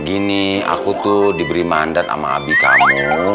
gini aku tuh diberi mandat sama abi kamu